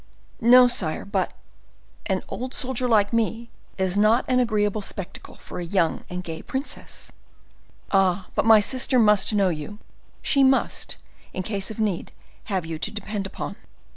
"No, sire, but—an old soldier like me is not an agreeable spectacle for a young and gay princess." "Ah! but my sister must know you; she must in case of need have you to depend upon."